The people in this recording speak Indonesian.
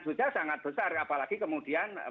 sudah sangat besar apalagi kemudian